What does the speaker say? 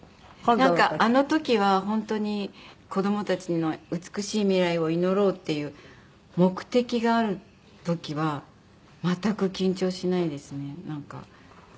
なんかあの時は本当に子どもたちの美しい未来を祈ろうっていう目的がある時は全く緊張しないですねなんか。